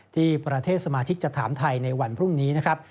ที่ประเทศสมาชิกจะถามไทยในวันพรุ่งนี้นะครับ